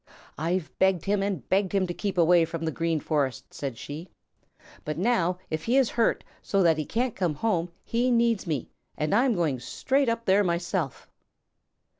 "I've begged him and begged him to keep away from the Green Forest," said she, "but now if he is hurt so that he can't come home, he needs me, and I'm going straight up there myself!"